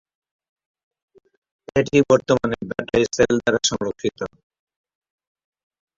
এটি বর্তমানে Beta Israel দ্বারা সংরক্ষিত।